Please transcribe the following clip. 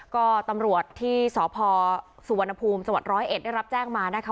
ก็ตำรวจที่สภสุวรรณภูมิสร๑๐๑ได้รับแจ้งมานะคะ